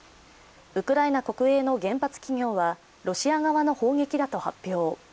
ウクライナ国営の原発企業はロシア側の砲撃だと発表。